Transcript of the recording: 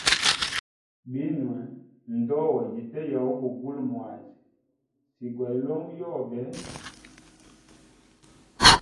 Binwe ndoa yite ya ubugula mwazi si gwa hilongo yobe.